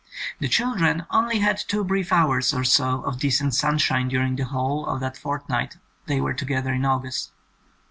The children only had two brief hours or so of decent sunshine during the whole of that fortnight they were together in August.